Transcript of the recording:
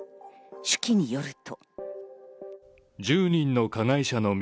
手記によると。